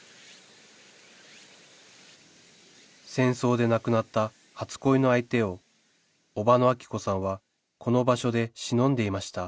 戦争で亡くなった初恋の相手を伯母のアキ子さんはこの場所でしのんでいました